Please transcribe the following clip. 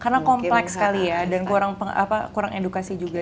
karena kompleks sekali ya dan kurang edukasi juga